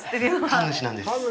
神主なんです。